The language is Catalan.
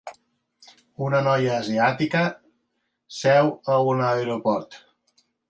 Una noia asiàtica seu a un aeroport.